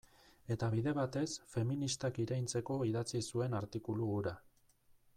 Eta bide batez, feministak iraintzeko idatzi zuen artikulu hura.